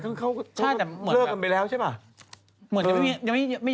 เขากับตัวเข้าเลือกกันไปแล้วใช่ไหม